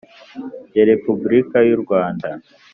ya Repuburika y u Rwanda